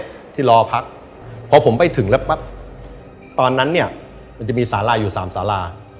สาล่าตรงเนี่ยที่รอพักพอผมไปถึงแล้วปั๊บตอนนั้นเนี่ยมันจะมีสาล่าอยู่๓สาล่า